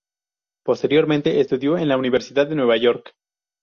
Posteriormente estudió en la universidad de Nueva York.